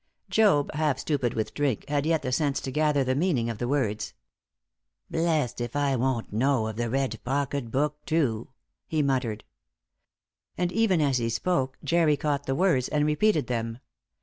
Job, half stupid with drink, had yet the sense to gather the meaning of the words. "Blest if I won't know of the red pocket book, too," he muttered. And even as he spoke, Jerry caught the words, and repeated them.